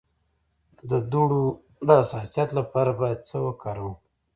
د دوړو د حساسیت لپاره باید څه وکاروم؟